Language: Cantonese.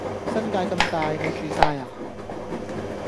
新界咁大你住曬呀！